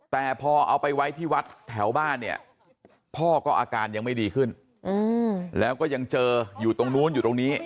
แต่พอเอาไปไว้ที่วัดแถวบ้านเนี่ยพ่อก็อาการยังไม่ดีขึ้นแล้วก็ยังเจออยู่ตรงนู้นอยู่ตรงนี้